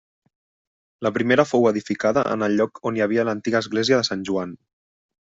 La primera fou edificada en el lloc on hi havia l'antiga església de Sant Joan.